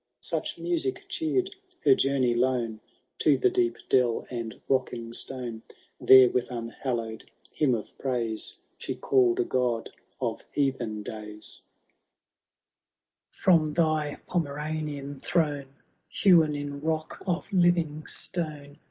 Such music cheer'd her journey lone To the deep dell and rocking stone : There, with unhallow'd hymn of praise. She call'd a God of heathen days. XVII. Sntiacation* ^ From thy Pomeranian»throne, Hewn in rock of living stone.